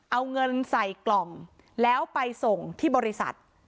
เอาเงินใส่กล่องแล้วไปส่งที่บริษัท